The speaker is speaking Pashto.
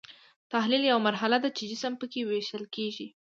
تحلیل یوه مرحله ده چې جسم پکې ویشل کیږي.